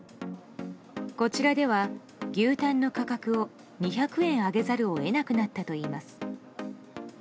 こちらでは牛タンの価格を２００円上げざるを得なくなったといいます。